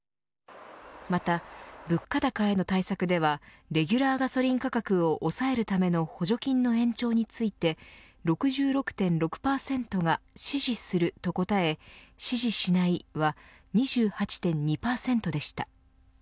また物価高への対策ではレギュラーガソリン価格を抑えるための補助金の延長について６６．６％が支持すると答え、支持しないは２８．２％でした。